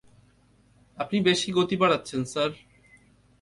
আপনি বেশি গতি বাড়াচ্ছেন, স্যার।